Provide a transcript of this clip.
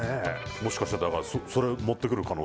もしかしたらそれ持ってくる可能性あるよ。